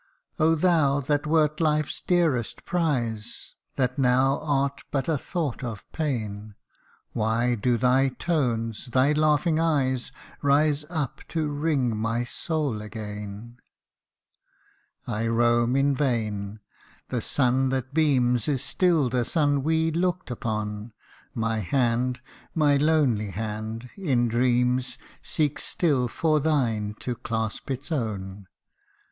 Oh ! thou that wert life's dearest prize, That now art but a thought of pain ; Why do thy tones thy laughing eyes Rise up to wring my soul again ? I roam in vain : the sun that beams Is still the sun we looked upon ; My hand, my lonely hand, in dreams, Seeks still for thine to clasp its own.